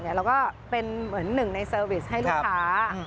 แล้วก็เป็นเหมือนหนึ่งในเซอร์วิสให้ลูกค้า